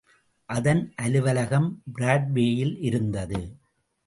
அதன் அலுவலகம் பிராட்வேயில் இருந்தது.